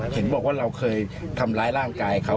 เห็นบอกว่าเราเคยทำร้ายร่างกายเขา